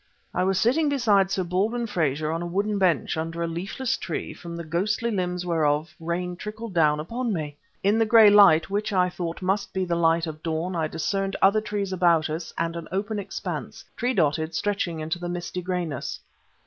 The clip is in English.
..." I was sitting beside Sir Baldwin Frazer on a wooden bench, under a leafless tree, from the ghostly limbs whereof rain trickled down upon me! In the gray light, which, I thought, must be the light of dawn, I discerned other trees about us and an open expanse, tree dotted, stretching into the misty grayness.